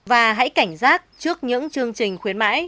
và hãy cảnh giác trước những chương trình khuyến mãi